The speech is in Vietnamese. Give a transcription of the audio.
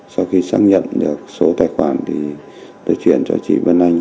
sau khi xác nhận được số tài khoản thì để chuyển cho chị vân anh